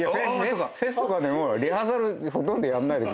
フェスとかでもリハーサルほとんどやんない。